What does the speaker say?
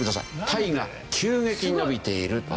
タイが急激に伸びていると。